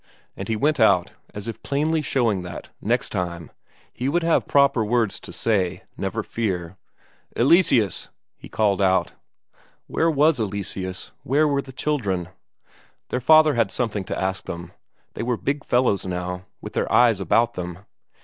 And he went out, as if plainly showing that, next time, he would have proper words to say, never fear. "Eleseus!" he called out. Where was Eleseus, where were the children? Their father had something to ask them; they were big fellows now, with their eyes about them.